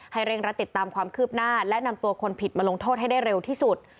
เร่งรัดติดตามความคืบหน้าและนำตัวคนผิดมาลงโทษให้ได้เร็วที่สุด